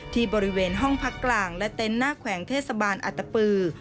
ที่บริเวณห้องพักกลางและเต็นต์หน้าแขวงเทศบาลอัตตปือ